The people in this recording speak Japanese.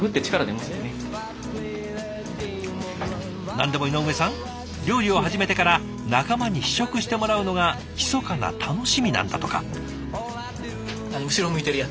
何でも井上さん料理を始めてから仲間に試食してもらうのがひそかな楽しみなんだとか。